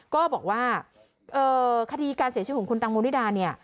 ก็บอกว่าคดีการเสียชีวิตของคุณตังโมนิดาเนี่ย